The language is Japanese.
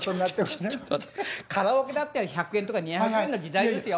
ちょちょちょカラオケだって１００円とか２００円の時代ですよ。